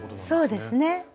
そうですね。